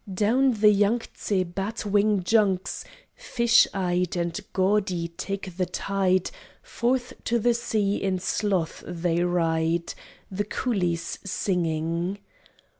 Down the Yang tse bat wing junks Fish eyed and gaudy take the tide, Forth to the sea in sloth they ride, The coolies singing.